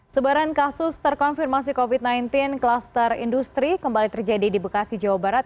sebaran kasus terkonfirmasi covid sembilan belas klaster industri kembali terjadi di bekasi jawa barat